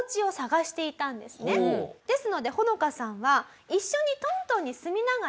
ですのでホノカさんは。